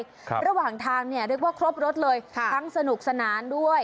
ระหว่างทางเนี่ยเรียกว่าครบรถเลยค่ะทั้งสนุกสนานด้วย